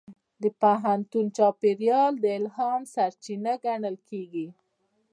د پوهنتون چاپېریال د الهام سرچینه ګڼل کېږي.